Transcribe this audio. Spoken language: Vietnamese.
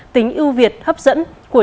tính ưu việt hấp dẫn của